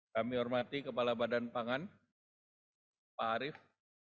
kami hormati kepala badan pangan pak arief